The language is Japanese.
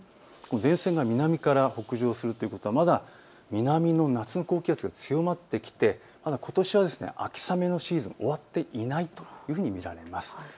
前線が北上するということは南の夏の高気圧が強まってきてことしは秋雨のシーズンが終わっていないということになります。